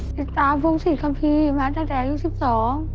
ติดตามพุงศรีคัมภีร์มาตั้งแต่อายุสิบสอง